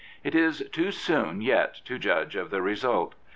It is too soon yet to judge of the result.